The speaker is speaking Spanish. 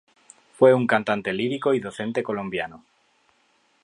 Fue un cantante lírico y docente colombiano.